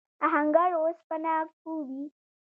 آهنګر اوسپنه کوبي.